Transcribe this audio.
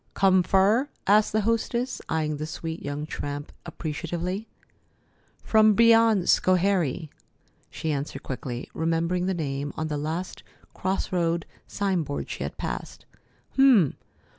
"Come fur?" asked the hostess, eying the sweet young tramp appreciatively. "From beyond Schoharie," she answered quickly, remembering the name on the last cross road signboard she had passed. "H'm!